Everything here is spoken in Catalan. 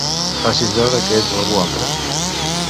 Facis veure que ets algú altre.